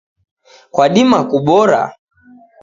Kwadima kubora